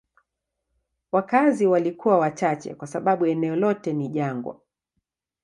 Wakazi walikuwa wachache kwa sababu eneo lote ni jangwa.